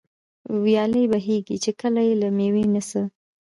ويالې بهېږي، چي كله ئې له مېوې نه څه